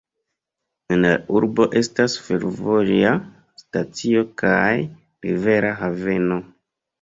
En la urbo estas fervoja stacio kaj rivera haveno.